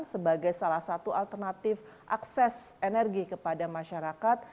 sebagai salah satu alternatif akses energi kepada masyarakat